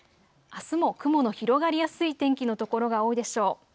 あすも雲の広がりやすい天気の所が多いでしょう。